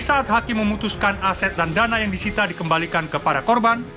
saat hakim memutuskan aset dan dana yang disita dikembalikan kepada korban